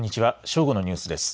正午のニュースです。